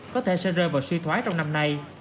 có thể sẽ rơi vào suy thoái trong năm nay